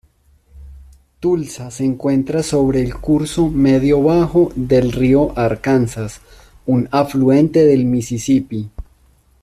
Tulsa se encuentra sobre el curso medio-bajo del río Arkansas, un afluente del Misisipi.